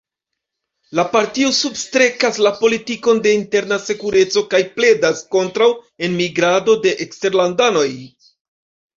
La partio substrekas la politikon de interna sekureco kaj pledas kontraŭ enmigrado de eksterlandanoj.